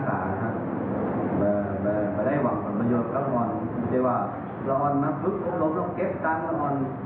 ที่เป็นใดที่บะดีครับ